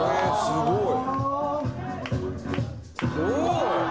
すごい。